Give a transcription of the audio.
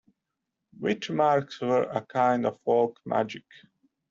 Witch marks were a kind of folk magic.